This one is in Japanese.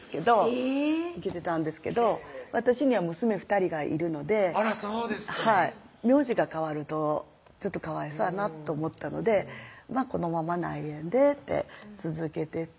えぇ受けてたんですけど私には娘２人がいるのであらそうですか名字が変わるとちょっとかわいそうやなと思ったので「このまま内縁で」って続けてた